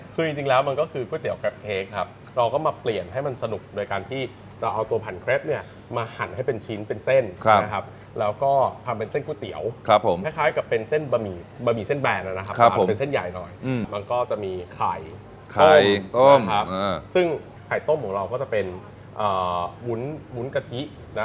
คือจริงแล้วมันก็คือก๋วยเตี๋ยวแป๊บเค้กครับเราก็มาเปลี่ยนให้มันสนุกโดยการที่เราเอาตัวพันเคร็ดเนี่ยมาหั่นให้เป็นชิ้นเป็นเส้นนะครับแล้วก็ทำเป็นเส้นก๋วยเตี๋ยวครับผมคล้ายกับเป็นเส้นบะหมี่เส้นแบนนะครับมาผัดเป็นเส้นใหญ่หน่อยมันก็จะมีไข่ไข่ต้มครับซึ่งไข่ต้มของเราก็จะเป็นวุ้นวุ้นกะทินะ